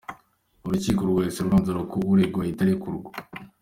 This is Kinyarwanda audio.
Urukiko rwahise rwanzura ko uregwa ahita arekurwa.